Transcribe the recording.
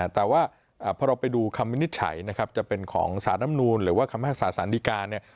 แต่ว่าพอเราไปดูคำวินิจฉัยนะครับจะเป็นของสารน้ำนูนหรือว่าคำพิพากษาสารดีการเนี่ย